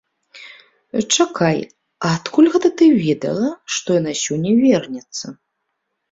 Чакай, а адкуль гэта ты ведала, што яна сёння вернецца?